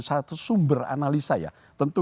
satu sumber analisa ya tentu